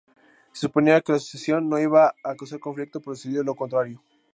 Se suponía que la sucesión no iba a causar conflicto, pero sucedió lo contrario.